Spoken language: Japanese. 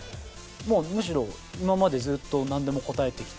まあむしろ今までずっとなんでも答えてきた。